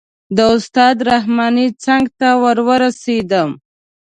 د استاد رحماني څنګ ته ور ورسېدم.